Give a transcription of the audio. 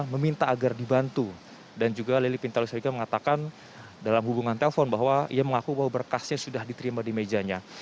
meminta agar dibantu dan juga lili pintalo siregar mengatakan dalam hubungan telepon bahwa ia mengaku bahwa berkasnya sudah diterima di mejanya